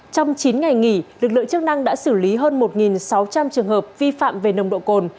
trong chín ngày nghỉ lực lượng chức năng đã xử lý hơn một sáu trăm linh trường hợp vi phạm về nồng độ cồn